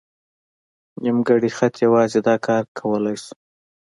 نیمګړی خط یوازې دا کار کولی شو.